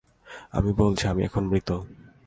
আমি বলছি, আমি এখন মৃত।